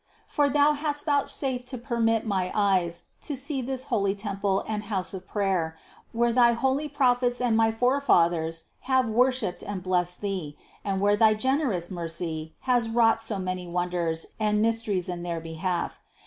For Thou hast vouchsafed to permit my eyes to see this holy temple and house of prayer, where thy holy Prophets and my forefathers have worshipped and blessed Thee, and where thy generous mercy has wrought so many wonders and mysteries in their behalf.